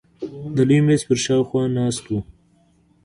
د لوی مېز پر شاوخوا ناست وو.